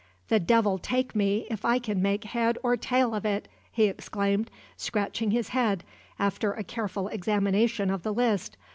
"The devil take me if I can make head or tail of it!" he exclaimed, scratching his head, after a careful examination of the list.